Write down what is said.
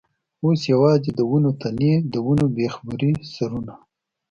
اوس یوازې د ونو تنې، د ونو بېخه برې سرونه.